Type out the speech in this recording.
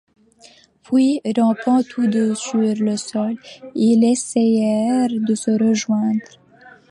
Puis, rampant tous deux sur le sol, ils essayèrent de se rejoindre.